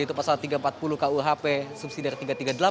itu pasal tiga ratus empat puluh kuhp subsidi dari tiga ratus tiga puluh delapan